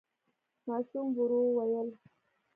ماشوم ورو وويل: